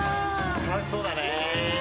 楽しそうだね。